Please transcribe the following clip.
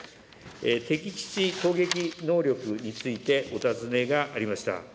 敵基地攻撃能力について、お尋ねがありました。